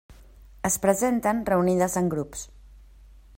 Es presenten reunides en grups.